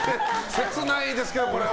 切ないですけど、これは。